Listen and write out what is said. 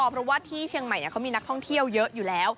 เพราะว่าที่เชียงใหม่เขามีนักท่องเที่ยวเยอะอยู่แล้ว